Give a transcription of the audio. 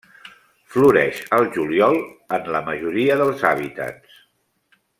Floreix al juliol en la majoria dels hàbitats.